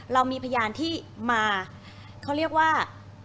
เรามีพยานที่มาเขาเรียกว่า